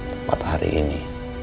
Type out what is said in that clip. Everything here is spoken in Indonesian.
tepat hari ini